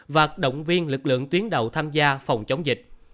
và động viên lực lượng tuyến đầu tham gia phòng chống dịch